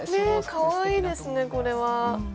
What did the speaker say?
ねえかわいいですねこれは。